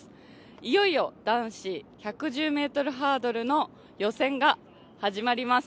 いよいよ男子１１０ｍハードルの予選が始まります。